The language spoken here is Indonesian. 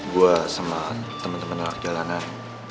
gua sama temen temen anak jalanan